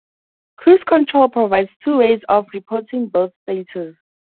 CruiseControl provides two ways of reporting build status.